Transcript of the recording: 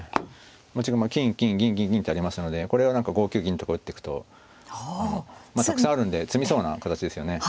持ち駒金金銀銀銀ってありますのでこれは何か５九銀とか打ってくとたくさんあるんで詰みそうな形ですよね。